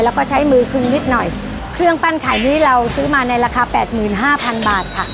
แล้วก็ใช้มือคึงนิดหน่อยเครื่องปั้นไข่นี้เราซื้อมาในราคาแปดหมื่นห้าพันบาทค่ะ